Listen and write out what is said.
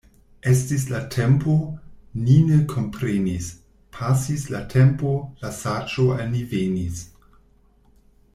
Estis la tempo, ni ne komprenis — pasis la tempo, la saĝo al ni venis.